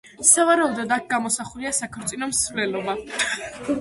სავარაუდოდ აქ გამოსახულია საქორწინო მსვლელობა.